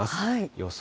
予想